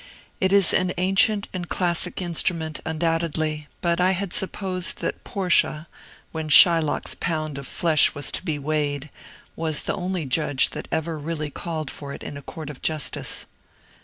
It is an ancient and classic instrument, undoubtedly; but I had supposed that Portia (when Shylock's pound of flesh was to be weighed) was the only judge that ever really called for it in a court of justice.